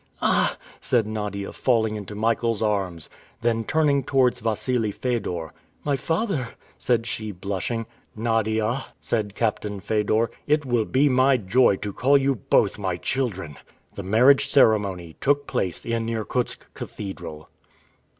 "Ah!" said Nadia, falling into Michael's arms. Then turning towards Wassili Fedor, "My father," said she, blushing. "Nadia," said Captain Fedor, "it will be my joy to call you both my children!" The marriage ceremony took place in Irkutsk cathedral.